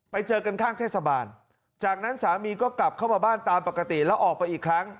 ไปเจอกันข้างเทศบาลจากนั้นสามีก็กลับเข้ามาบ้านตามปกติแล้วออกไปอีกครั้ง